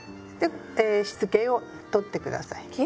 でしつけを取ってください。